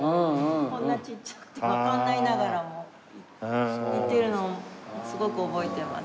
こんなちっちゃくてわかんないながらも行ってるのすごく覚えてます。